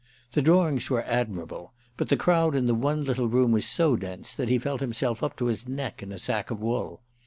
The drawings were admirable, but the crowd in the one little room was so dense that he felt himself up to his neck in a sack of wool.